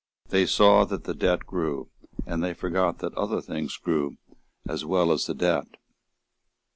They saw that the debt grew; and they forgot that other things grew as well as the debt.